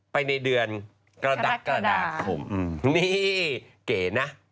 ไปในเดือนกรกฎาคมนี่เก๋นะ